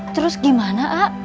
terus gimana aak